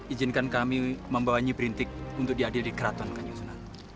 ijinkan kami membawanya berintik untuk diadil di keraton kanjeng sunan